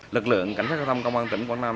lực lượng cảnh sát giao thông công an tỉnh quảng nam